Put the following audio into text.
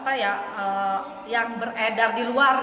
kami juga akan buktikan sama pemerintah kalau kami juga sebenarnya